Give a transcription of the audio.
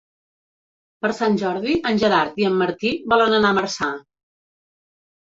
Per Sant Jordi en Gerard i en Martí volen anar a Marçà.